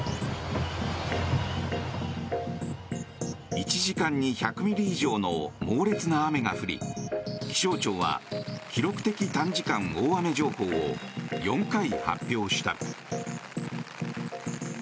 １時間に１００ミリ以上の猛烈な雨が降り気象庁は記録的短時間大雨情報を４回発表した。